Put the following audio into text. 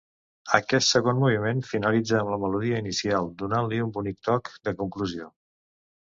Aquest segon moviment finalitza amb la melodia inicial, donant-li un bonic toc de conclusió.